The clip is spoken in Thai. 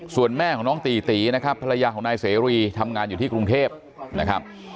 ส่วนแม่ของน้องตีตีนะครับภรรยาของนายเสรีทำงานอยู่ที่กรุงเทพนะครับ